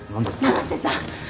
七瀬さん